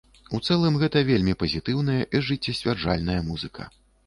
У цэлым, гэта вельмі пазітыўная і жыццесцвярджальная музыка.